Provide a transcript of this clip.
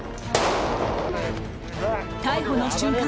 「逮捕の瞬間！